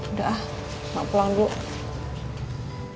udah ah mau pulang dulu